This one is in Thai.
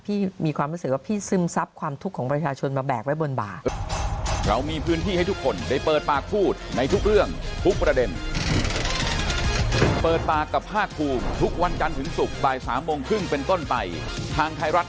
มีความรู้สึกว่าพี่ซึมซับความทุกข์ของประชาชนมาแบกไว้บนบ่า